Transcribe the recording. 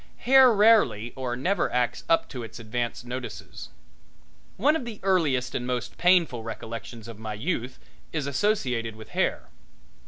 Hair rarely or never acts up to its advance notices. One of the earliest and most painful recollections of my youth is associated with hair.